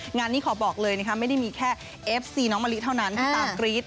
งานนี้ขอบอกเลยนะคะไม่ได้มีแค่เอฟซีน้องมะลิเท่านั้นที่ตามกรี๊ด